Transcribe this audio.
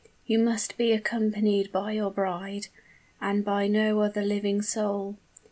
You must be accompanied by your bride and by no other living soul.